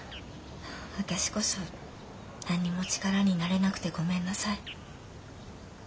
私こそ何にも力になれなくてごめんなさい。